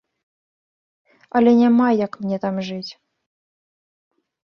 Але няма як мне там жыць.